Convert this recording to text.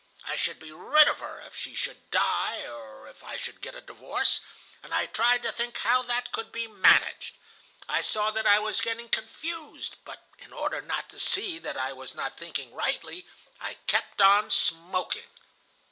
I should be rid of her if she should die or if I should get a divorce, and I tried to think how that could be managed. I saw that I was getting confused, but, in order not to see that I was not thinking rightly, I kept on smoking.